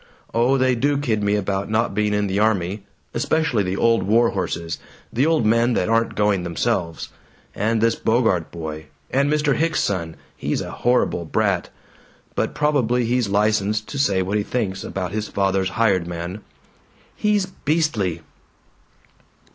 Oh, they do kid me about not being in the army especially the old warhorses, the old men that aren't going themselves. And this Bogart boy. And Mr. Hicks's son he's a horrible brat. But probably he's licensed to say what he thinks about his father's hired man!" "He's beastly!"